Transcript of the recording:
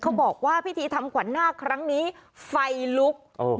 บอกว่าพิธีทำขวัญนาคครั้งนี้ไฟลุก